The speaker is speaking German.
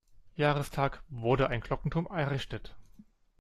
Jahrestag, wurde ein Glockenturm errichtet.